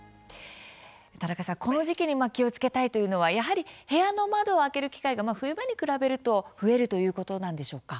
田中さん、この時期に気をつけたいというのはやはり部屋の窓を開ける機会が冬場に比べると増えるということなんでしょうか？